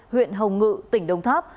huyện hồng ngự tỉnh đông tháp